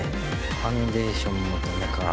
ファンデーションもダメか。